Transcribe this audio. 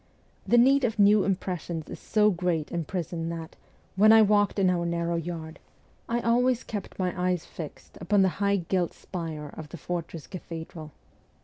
The need of new impressions is so great in prison that, when I walked in our narrow yard, I always kept my eyes fixed upon the high gilt spire of the fortress cathedral.